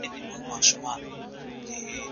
کله کله به د پاڼې تن يو څه سوری کېده.